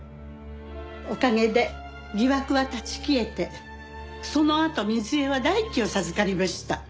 おかげで疑惑は立ち消えてそのあと瑞江は大樹を授かりました。